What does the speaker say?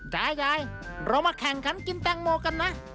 ได้เรามาแข่งขันกินแตงโมกันนะ